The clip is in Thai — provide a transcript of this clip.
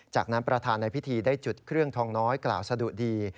จากนั้นประธานในพิธีได้จุดเครื่องทองน้อยกล่าวสะดุดี